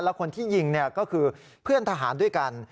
และคนที่ยิงก็คือเพื่อนทหารด้วยกัน